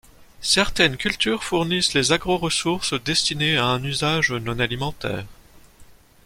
Certaines cultures fournissent des agroressources destinées à un usage non alimentaire.